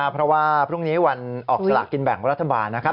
เพราะว่าพรุ่งนี้วันออกสลากกินแบ่งรัฐบาลนะครับ